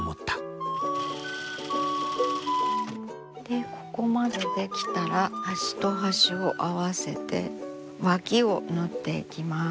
でここまで出来たら端と端を合わせて脇を縫っていきます。